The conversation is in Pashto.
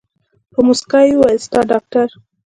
په موسکا يې وويل ستا ډاکتر.